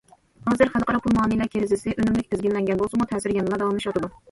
ھازىر خەلقئارا پۇل مۇئامىلە كىرىزىسى ئۈنۈملۈك تىزگىنلەنگەن بولسىمۇ، تەسىرى يەنىلا داۋاملىشىۋاتىدۇ.